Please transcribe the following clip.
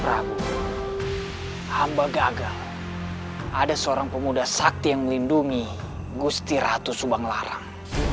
ratu hamba gagal ada seorang pemuda sakti yang melindungi gusti ratu subanglarang